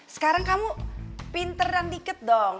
sekarang kamu pinter dan diket dong